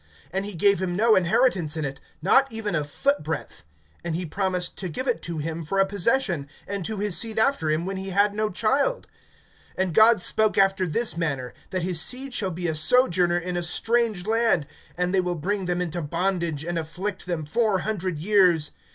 (5)And he gave him no inheritance in it, not even a foot breadth; and he promised to give it to him for a possession, and to his seed after him, when he had no child. (6)And God spoke after this manner, that his seed shall be a sojourner in a strange land, and they will bring them into bondage, and afflict them four hundred years.